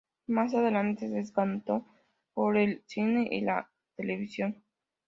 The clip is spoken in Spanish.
Más adelante se decantó por por el cine y la televisión.